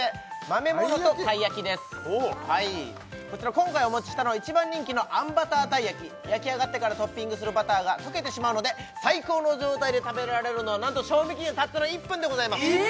今回お持ちしたのは一番人気のあんバターたい焼き焼き上がってからトッピングするバターが溶けてしまうので最高の状態で食べられるのはなんと賞味期限たったの１分でございますえ！？